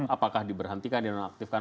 apakah diberhentikan di nonaktifkan